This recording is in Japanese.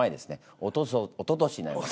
おとそおととしになります。